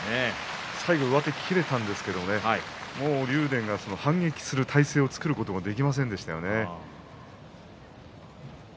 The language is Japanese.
最後、上手切れたんですけど竜電が反撃する体勢を作ることができませんでしたね。